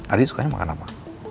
adi sukanya makan apa